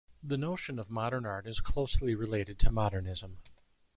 The notion of modern art is closely related to modernism.